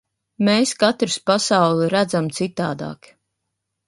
Mēs katrs pasauli redzam citādāk.